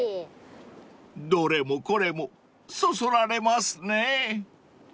［どれもこれもそそられますね］